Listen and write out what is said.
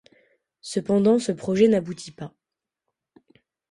Cependant ce projet n'aboutit pas.